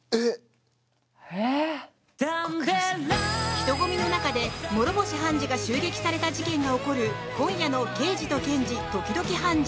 人混みの中で諸星判事が襲撃された事件が起こる今夜の「ケイジとケンジ、時々ハンジ。」。